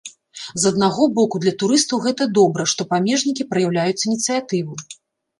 З аднаго боку, для турыстаў гэта добра, што памежнікі праяўляюць ініцыятыву.